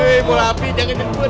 eh mau api jangan dibuat